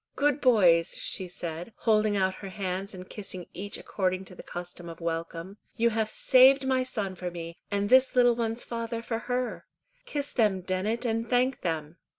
good boys," she said, holding out her hands and kissing each according to the custom of welcome, "you have saved my son for me, and this little one's father for her. Kiss them, Dennet, and thank them."